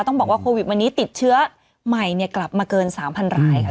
ต้องบอกว่าโควิดวันนี้ติดเชื้อใหม่กลับมาเกิน๓๐๐รายค่ะ